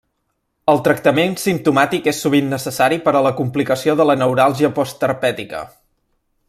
El tractament simptomàtic és sovint necessari per a la complicació de la neuràlgia postherpètica.